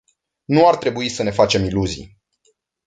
Nu ar trebui să ne facem iluzii.